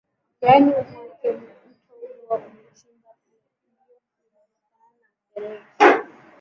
Njiani mwake mto huwa umechimba lalio linalofanana na mfereji